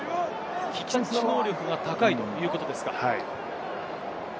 危機察知能力が高いということですか。